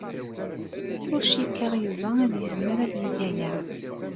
Ur cikkeɣ Yuba ad yezmer ad yeg aya.